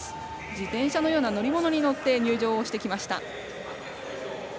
自転車のような乗り物に乗って入場をしてきました。